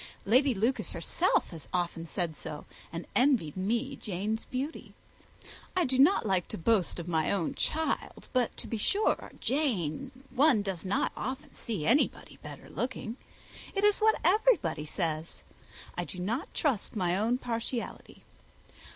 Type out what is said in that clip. Lady Lucas herself has often said so, and envied me Jane's beauty. I do not like to boast of my own child; but to be sure, Jane one does not often see anybody better looking. It is what everybody says. I do not trust my own partiality.